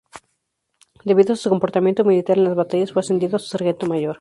Debido a su comportamiento militar en las batallas fue ascendido a sargento mayor.